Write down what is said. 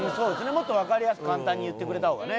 もっと分かりやすく簡単に言ってくれた方がね